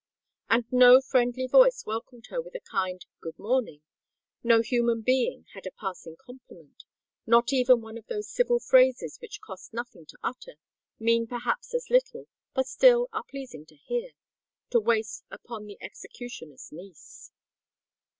And no friendly voice welcomed her with a kind "Good morning:" no human being had a passing compliment,—not even one of those civil phrases which cost nothing to utter, mean perhaps as little, but still are pleasing to hear,—to waste upon the executioner's niece.